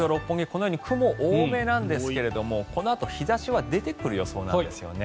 このように雲多めなんですがこのあと、日差しは出てくる予想なんですよね。